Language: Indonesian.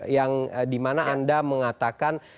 yang di mana anda mengatakan